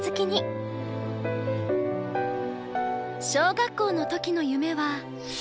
小学校の時の夢は。